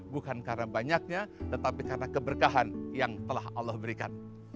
bukan karena banyaknya tetapi karena keberkahan yang telah allah berikan